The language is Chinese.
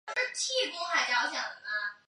上环原是四环九约里其中一环。